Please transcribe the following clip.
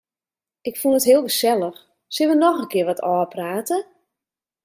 Ik fûn it heel gesellich, sille wy noch in kear wat ôfprate?